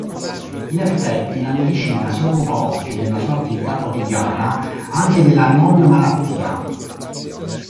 In effetti, la medicina si occupa oggi, nella sua attività quotidiana, anche della non-malattia.